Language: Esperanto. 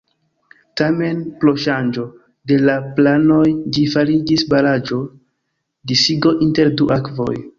Tamen, pro ŝanĝo de la planoj ĝi fariĝis baraĵo: disigo inter du akvoj.